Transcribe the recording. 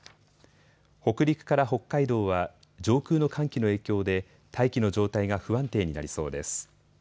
北陸から北海道は上空の寒気の影響で大気の状態が不安定になりそうです。